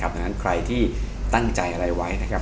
ดังนั้นใครที่ตั้งใจอะไรไว้นะครับ